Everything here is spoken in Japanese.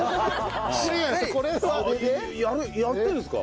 やってるんですか？